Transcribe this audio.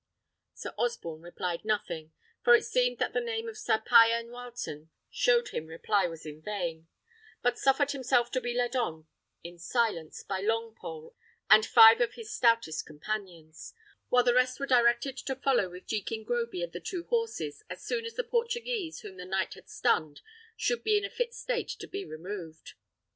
Sir Osborne replied nothing (for it seemed that the name of Sir Payan Wileton showed him reply was in vain), but suffered himself to be led on in silence by Longpole and five of bid stoutest companions, while the rest were directed to follow with Jekin Groby and the two horses, as soon as the Portuguese whom the knight had stunned should be in a fit state to be removed.